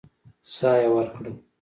سا يې ورکړه.